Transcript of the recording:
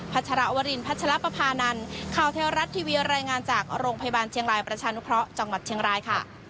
ชรวรินพัชรปภานันข่าวเทวรัฐทีวีรายงานจากโรงพยาบาลเชียงรายประชานุเคราะห์จังหวัดเชียงรายค่ะ